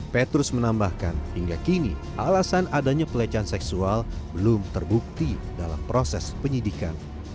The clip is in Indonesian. petrus menambahkan hingga kini alasan adanya pelecehan seksual belum terbukti dalam proses penyidikan